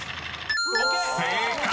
［正解！